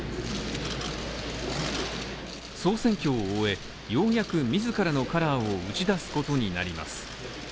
総選挙を終え、ようやく自らのカラーを打ち出すことになります。